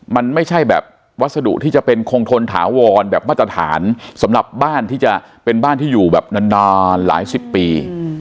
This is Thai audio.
มันไม่ใช่แบบวัสดุที่จะเป็นคงทนถาวรแบบมาตรฐานสำหรับบ้านที่จะเป็นบ้านที่อยู่แบบนานหลายสิบปี